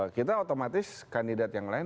kita otomatis kandidat yang lain